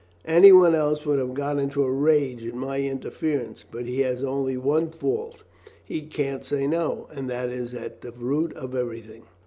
"Anyone else would have got into a rage at my interference; but he has only one fault; he can't say no, and that is at the root of everything.